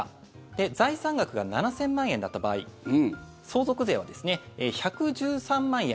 で、財産額が７０００万円だった場合相続税は１１３万円。